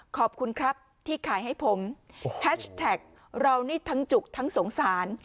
ขอบคุณครับที่ขายให้ผมแฮชแท็กเรานี่ทั้งจุกทั้งสงสาร